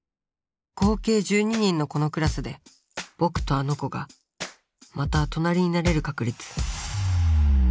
合計１２人のこのクラスでぼくとあの子がまた隣になれる確率。